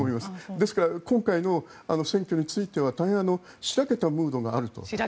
ですから、今回の選挙に関しては大変しらけたムードがあると。